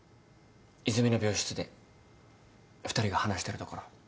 泉の病室で２人が話してるところ。